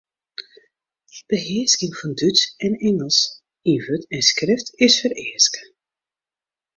Behearsking fan Dútsk en Ingelsk yn wurd en skrift is fereaske.